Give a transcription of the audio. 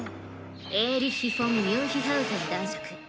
エーリッヒ・フォン・ミュンヒハウゼン男爵。